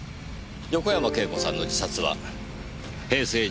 横山慶子さんの自殺は平成１４年９月２０日。